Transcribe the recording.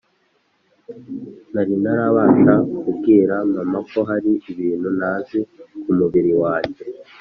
nari ntarabasha kubwira mama ko hari ibintu ntazi kumubiri wanjye!